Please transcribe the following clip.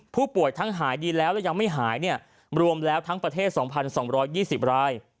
ผู้ป่วยทั้งหายดีแล้วและยังไม่หายรวมแล้วทั้งประเทศ๒๒๒๐ราย